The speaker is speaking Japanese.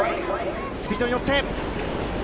スピードに乗って。